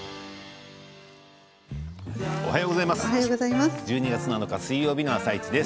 おはようございます。